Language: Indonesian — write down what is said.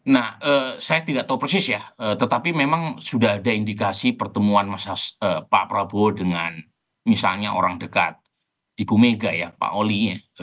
nah saya tidak tahu persis ya tetapi memang sudah ada indikasi pertemuan pak prabowo dengan misalnya orang dekat ibu mega ya pak oli ya